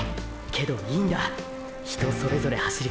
けどいいんだ人それぞれ走り方は違うから。